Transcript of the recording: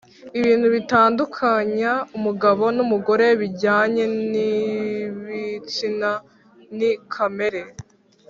ibintu bitandukanya umugabo n’umugore bijyanye n’ibitsina, ni kamere